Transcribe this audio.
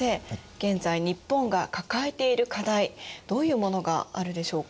現在日本が抱えている課題どういうものがあるでしょうか？